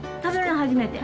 初めて。